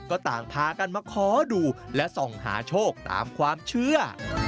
ก็ต่างพากันมาขอดูและส่องหาโชคตามความเชื่อ